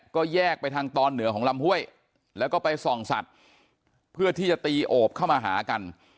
ของลำห้วยแล้วก็ไปส่องสัตว์เพื่อที่จะตีโอบเข้ามาหากัน